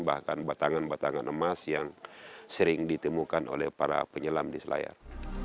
bahkan batangan batangan emas yang sering ditemukan oleh para penyelam di selayar